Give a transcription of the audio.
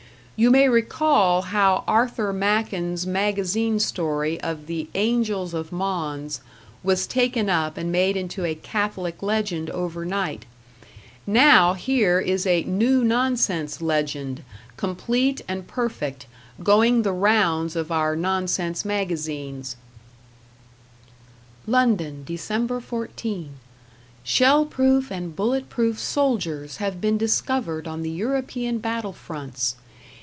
You may recall how Arthur Machen's magazine story of the Angels of Mons was taken up and made into a Catholic legend over night; now here is a New Nonsense legend, complete and perfect, going the rounds of our Nonsense magazines: London, Dec. 14. Shell proof and bullet proof soldiers have been discovered on the European battle fronts.